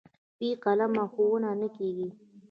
بې قلمه ښوونه نه کېږي.